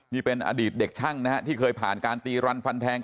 นี่เป็นอดีตเด็กช่างนะฮะที่เคยผ่านการตีรันฟันแทง